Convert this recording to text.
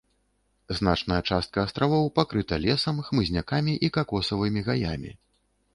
Значная частка астравоў пакрыта лесам, хмызнякамі і какосавымі гаямі.